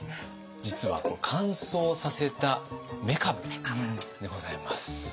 実は乾燥させためかぶでございます。